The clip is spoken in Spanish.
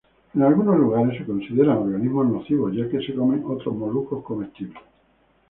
En algunos lugares se consideran organismos nocivos ya que se comen otros moluscos comestibles.